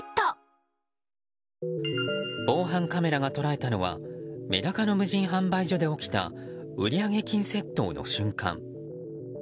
防犯カメラが捉えたのはメダカの無人販売所で起きた売上金窃盗の瞬間。